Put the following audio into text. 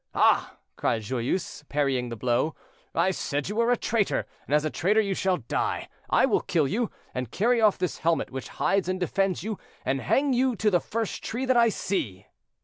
"Ah!" cried Joyeuse, parrying the blow, "I said you were a traitor, and as a traitor you shall die. I will kill you, and carry off this helmet which hides and defends you, and hang you to the first tree that I see."